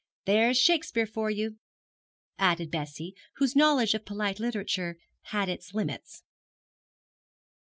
There's Shakespeare for you!' added Bessie, whose knowledge of polite literature had its limits.